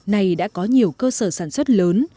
này đã có nhiều cơ sở sản xuất lớn